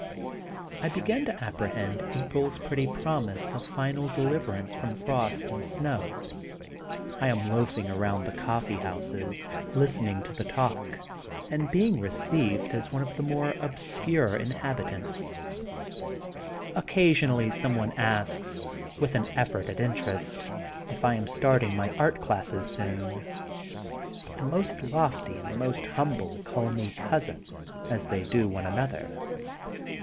I begin to apprehend April's pretty promise of final deliverance from frost and snow. I am loafing around the coflfee houses, listening to the talk, and being re ceived as one of the more obscure inhabitants. Occasionally some one asks, witli an effort at interest, if I am starting my art classes soon. But the most lofty and the most humble call me *' cousin,*' as they do one another.